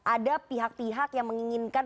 ada pihak pihak yang menginginkan